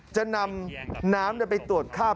จะนำน้ำไปตรวจข้าว